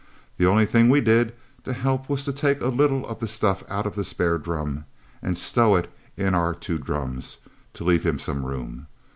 The only thing we did to help was to take a little of the stuff out of the spare drum and stow it in our two drums, to leave him some room.